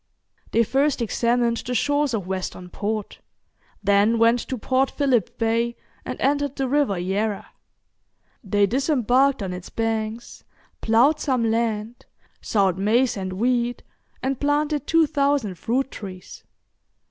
They first examined the shores of Western Port, then went to Port Philip Bay and entered the River Yarra. They disembarked on its banks, ploughed some land, sowed maize and wheat, and planted two thousand fruit trees.